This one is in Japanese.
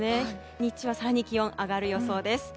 日中は更に気温が上がる予想です。